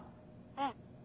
うん。